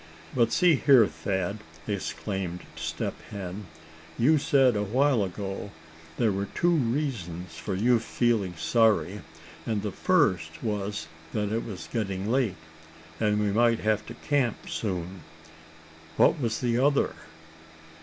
"But see here, Thad," exclaimed Step Hen, "you said a while ago there were two reasons for you feeling sorry, and the first was that it was getting late, and we might have to camp soon. What was the other?"